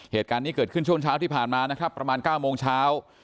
เหตุการณ์นี้เกิดขึ้นช่วงเช้าที่ผ่านมานะครับประมาณ๙โมงเช้า